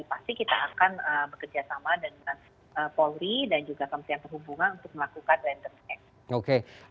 pasti kita akan bekerjasama dengan polri dan juga kementerian perhubungan untuk melakukan random check